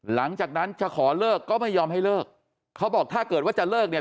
หลังจากนั้นจะขอเลิกก็ไม่ยอมให้เลิกเขาบอกถ้าเกิดว่าจะเลิกเนี่ย